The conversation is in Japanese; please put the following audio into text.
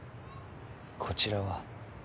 こちらは？